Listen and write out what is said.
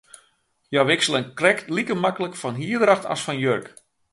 Hja wikselen krekt like maklik fan hierdracht as fan jurk.